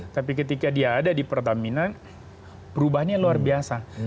tapi ketika dia ada di pertamina perubahannya luar biasa